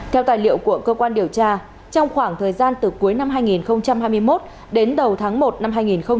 theo tài liệu của cơ quan điều tra trong khoảng thời gian từ cuối năm hai nghìn hai mươi một đến đầu tháng một năm hai nghìn hai mươi ba